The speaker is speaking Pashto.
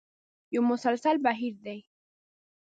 یو مسلسل بهیر دی.